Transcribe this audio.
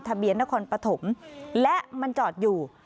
ทะเบียนนครปฐมและมันจอดอยู่